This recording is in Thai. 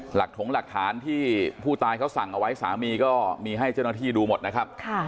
ถงหลักฐานที่ผู้ตายเขาสั่งเอาไว้สามีก็มีให้เจ้าหน้าที่ดูหมดนะครับ